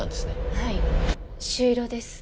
はい朱色です